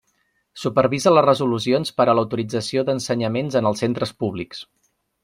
Supervisa les resolucions per a l'autorització d'ensenyaments en els centres públics.